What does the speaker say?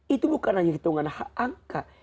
itu bukan hanya hitungan angka